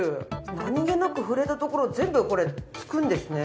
何げなく触れた所全部これ付くんですね。